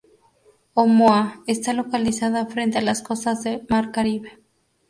Omoa, está localizada frente a las costas de mar Caribe.